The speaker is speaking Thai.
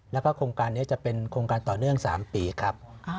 แล้วก็โครงการนี้จะเป็นโครงการต่อเนื่อง๓ปีครับ